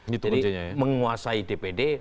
jadi menguasai dpd